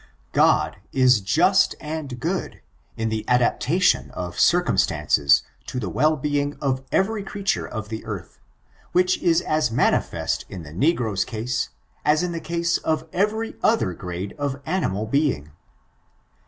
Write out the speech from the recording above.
God is just and goodj in the adaptation of circum* stances to the well being of every creature of the earth, which is as manifest in the negro's case as in the case of every other grade of animal being.